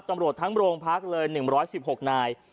ตำรวจทั้งโรงพักเลย๑๑๖นาย